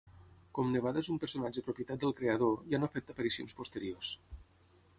Com Nevada és un personatge propietat del creador, ja no ha fet aparicions posteriors.